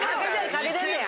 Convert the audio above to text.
かけてんねや。